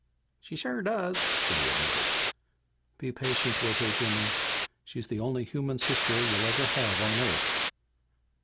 "She sure does," Jimmy admitted. "Be patient with her, Jimmy. She's the only human sister you'll ever have on Earth."